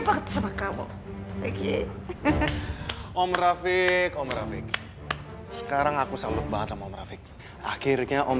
banget sama kamu egy om rafiq om rame sekarang aku salut banget sama om rafiq akhirnya om